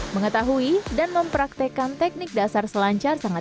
pergi dariuela serangka selanjutnya